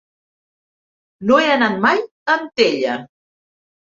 No he anat mai a Antella.